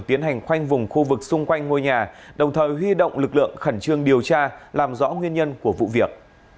tiến hành khoanh vùng khu vực xung quanh ngôi nhà đồng thời huy động lực lượng khẩn trương điều tra làm rõ nguyên nhân của vụ việc